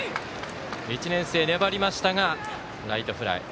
１年生、粘りましたがライトフライ。